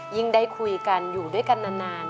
ได้คุยกันอยู่ด้วยกันนาน